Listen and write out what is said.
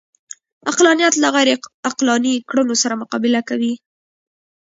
عقلانیت له غیرعقلاني کړنو سره مقابله کوي